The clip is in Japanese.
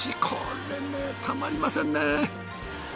これねたまりませんね。